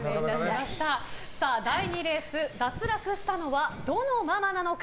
第２レース脱落したのはどのママなのか。